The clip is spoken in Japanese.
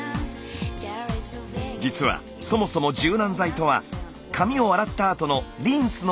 実はそもそも柔軟剤とは髪を洗ったあとの「リンス」のようなもの。